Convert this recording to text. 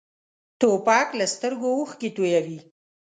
توپک له سترګو اوښکې تویوي.